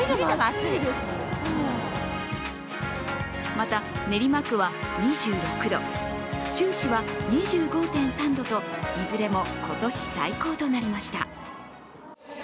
また、練馬区は２６度府中市は２５．３度といずれも今年最高となりました。